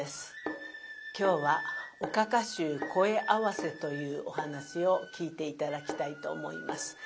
今日は「おかか衆声合わせ」というお噺を聴いて頂きたいと思います。